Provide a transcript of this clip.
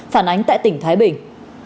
phản ánh tại tỉnh thái bình